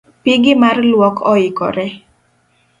Pigi mar luok oikore